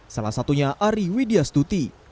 salah satunya ari widya stuti